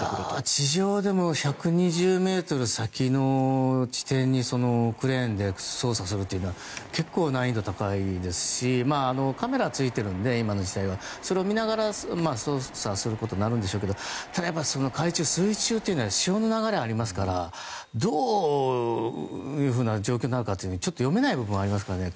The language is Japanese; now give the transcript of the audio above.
地上でも１２０ｍ先の地点にクレーンで操作するというのは結構、難易度が高いですしカメラがついているので今の時代は。それを見ながら操作することになるんでしょうけどただ、海中、水中は潮の流れがありますからどういうふうな状況になるかはちょっと読めない部分はありますからね。